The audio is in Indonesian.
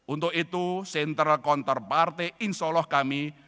untuk itu center counter partai insya allah kami